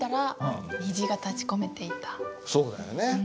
そうだよね。